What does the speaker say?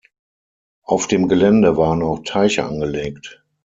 Auf dem Gelände waren auch Teiche angelegt.